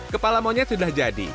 kepala monyet sudah jadi